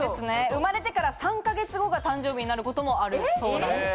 生まれてから３か月後が誕生日になることもあるそうなんです。